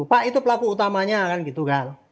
pak itu pelaku utamanya gitu gang